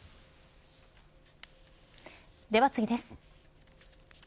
では次です。